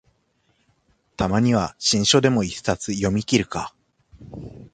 たまには新書でも一冊読みきるか